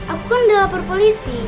aku kan udah lapor polisi